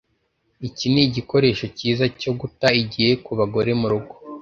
Iki nigikoresho cyiza cyo guta igihe kubagore murugo